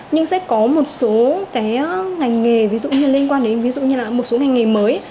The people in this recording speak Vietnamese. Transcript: nhưng sẽ có một số ngành nghề liên quan đến một số ngành nghề mới